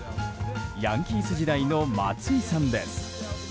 ヤンキース時代の松井さんです。